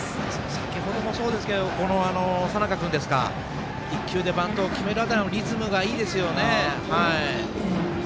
先ほどもそうですけど１球で決めるあたりのリズムがいいですよね。